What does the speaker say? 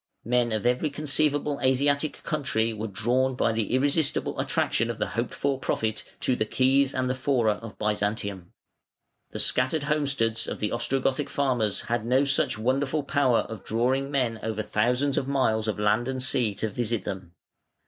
Men of every conceivable Asiatic country were drawn by the irresistible attraction of hoped for profit to the quays and the Fora of Byzantium. The scattered homesteads of the Ostrogothic farmers had no such wonderful power of drawing men over thousands of miles of land and sea to visit them.